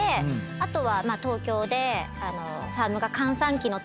あとは。